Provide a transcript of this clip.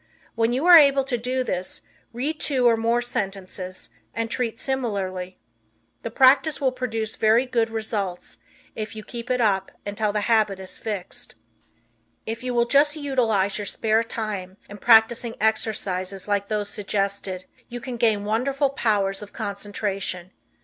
When you are able to do this, read two or more sentences and treat similarly. The practice will produce very good results if you keep it up until the habit is fixed. If you will just utilize your spare time in practicing exercises like those suggested you can gain wonderful powers of concentration.